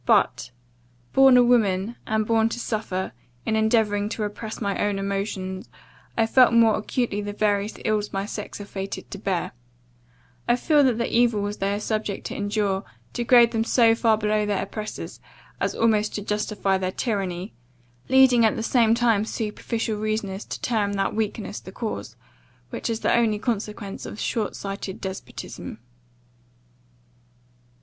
But, born a woman and born to suffer, in endeavouring to repress my own emotions, I feel more acutely the various ills my sex are fated to bear I feel that the evils they are subject to endure, degrade them so far below their oppressors, as almost to justify their tyranny; leading at the same time superficial reasoners to term that weakness the cause, which is only the consequence of short sighted despotism."